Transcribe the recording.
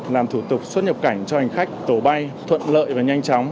làm thủ tục xuất nhập cảnh cho hành khách tổ bay thuận lợi và nhanh chóng